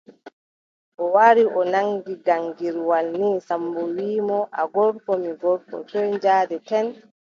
O wari o naŋgi gaŋgirwal nii, Sammbo wiʼi mo : a gorko, mi gorko, toy njaadeten ?